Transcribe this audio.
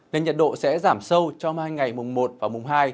nên nhiệt độ sẽ giảm sâu trong hai ngày mùng một và mùng hai